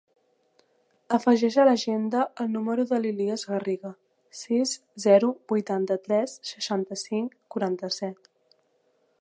Afegeix a l'agenda el número de l'Ilyas Garriga: sis, zero, vuitanta-tres, seixanta-cinc, quaranta-set.